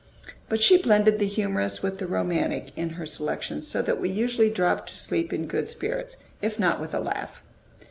But she blended the humorous with the romantic in her selections, so that we usually dropped to sleep in good spirits, if not with a laugh.